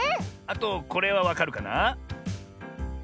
あとこれはわかるかな？